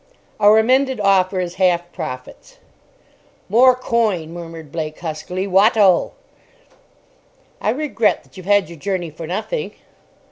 "Our amended offer is half profits." "More coin," murmured Blake huskily. "Wot 'o!" "I regret that you've had your journey for nothing."